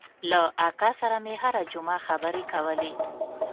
له اکا سره مې هره جمعه خبرې کولې.